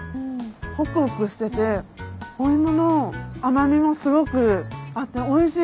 ホクホクしてておいもの甘みもすごくあっておいしい。